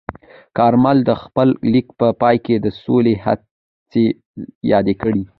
کارمل د خپل لیک په پای کې د سولې هڅې یادې کړې.